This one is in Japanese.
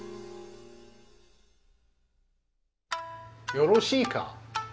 よろしいか。